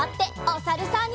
おさるさん。